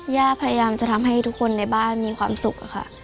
พยายามจะทำให้ทุกคนในบ้านมีความสุขค่ะ